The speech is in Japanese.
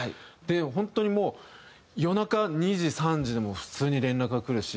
本当にもう夜中２時３時でも普通に連絡がくるし。